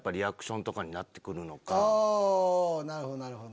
なるほどなるほど。